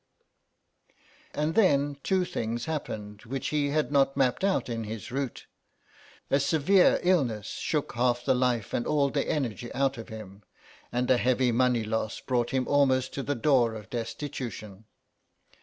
And then two things happened, which he had not mapped out in his route; a severe illness shook half the life and all the energy out of him, and a heavy money loss brought him almost to the door of destitution.